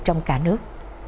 trong cả nước